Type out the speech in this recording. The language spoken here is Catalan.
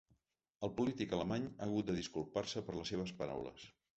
El polític alemany ha hagut de disculpar-se per les seves paraules.